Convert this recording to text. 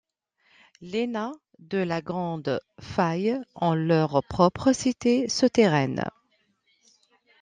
Les nains de la Grande Faille ont leurs propres cités souterraines.